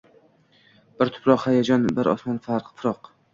bir tuproq hayajon, bir osmon firoq